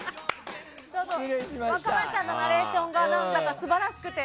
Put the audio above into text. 若林さんのナレーションが素晴らしくて。